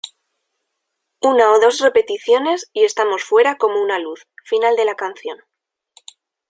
Una o dos repeticiones y estamos fuera como una luz, final de la canción.